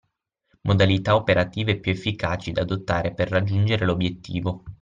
Modalità operative più efficaci da adottare per raggiungere l'obiettivo.